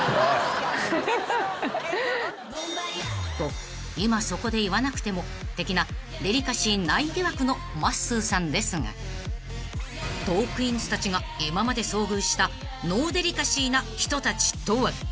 ［と今そこで言わなくても的なデリカシーない疑惑のまっすーさんですがトークィーンズたちが今まで遭遇したノーデリカシーな人たちとは］